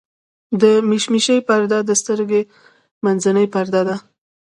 د مشیمیې پرده د سترګې منځنۍ پرده ده.